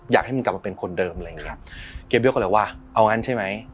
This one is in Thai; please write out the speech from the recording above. อยากให้มินกลับมาเป็นคนเดิมอะไรอย่างเงี้ยเกเบี้ยก็เลยว่าเอางั้นใช่ไหม